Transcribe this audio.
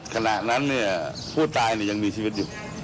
ขณะนั้นเนี่ยผู้ตายยังมีชีวิตอยู่